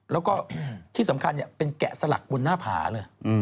แล้วก็ที่สำคัญเป็นแกะสลักบนหน้าผาเลย